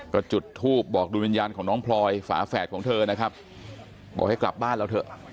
ก็จุดทูบบอกดูวิญญาณของน้องพลอยฝาแฝดของเธอนะครับบอกให้กลับบ้านเราเถอะ